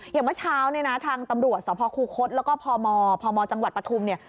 เมื่อเช้าเนี่ยนะทางตำรวจสภคูคศแล้วก็พมพมจังหวัดปฐุมเนี่ย